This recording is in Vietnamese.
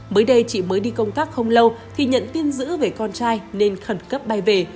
mới đây chị mới đi công tác không lâu thì nhận tin giữ về con trai nên khẩn cấp bay về